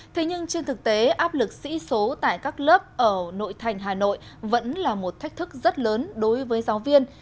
thế nhưng trên thực tế áp lực sĩ số tại các lớp ở nội thành hà nội vẫn là một thách thức rất lớn đối với giáo viên